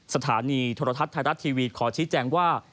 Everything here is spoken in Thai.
สถานีโทรทัศน์ไทยรัฐทีวีขอชี้แจงว่า